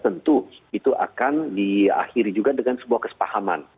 tentu itu akan diakhiri juga dengan sebuah kesepahaman